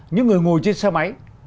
những người ngồi trên xe máy